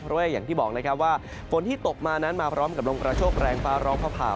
เพราะว่าอย่างที่บอกนะครับว่าฝนที่ตกมานั้นมาพร้อมกับลมกระโชคแรงฟ้าร้องผ้าผ่า